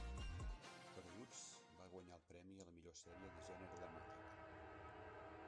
"Perduts" va guanyar el premi a la millor sèrie de gènere dramàtic.